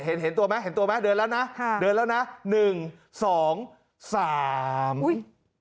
เห็นเห็นตัวไหมเห็นตัวไหมเดินแล้วนะค่ะเดินแล้วนะหนึ่งสองสามอุ้ย